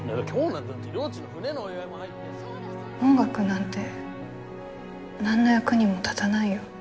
音楽なんて何の役にも立たないよ。